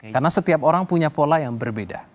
karena setiap orang punya pola yang berbeda